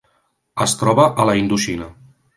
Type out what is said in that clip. Es troba a la Indoxina.